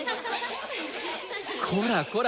こらこら